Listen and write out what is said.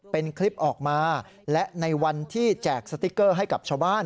เป็นคลิปออกมาและในวันที่แจกสติ๊กเกอร์ให้กับชาวบ้าน